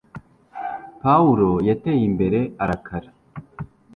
Pawulo yateye imbere, arakara